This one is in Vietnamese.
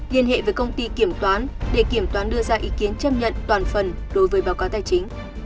liên hệ với công ty kiểm toán để kiểm toán đưa ra ý kiến chấp nhận toàn phần đối với báo cáo tài chính